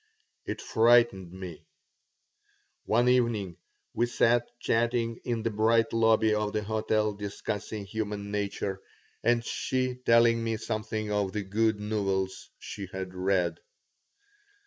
It frightened me One evening we sat chatting in the bright lobby of the hotel, discussing human nature, and she telling me something of the good novels she had read.